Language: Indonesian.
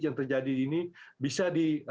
yang terjadi ini bisa